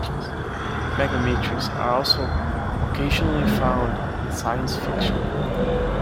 Megametres are also occasionally found in science fiction.